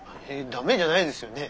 ダメじゃないですよね？